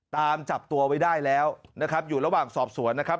ตามจับตัวไว้ได้แล้วนะครับอยู่ระหว่างสอบสวนนะครับ